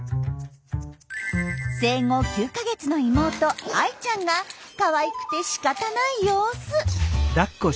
生後９か月の妹藍衣ちゃんがかわいくてしかたない様子。